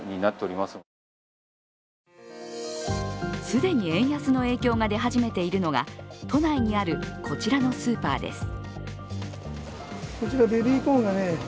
既に円安の影響が出始めているのが都内にある、こちらのスーパーです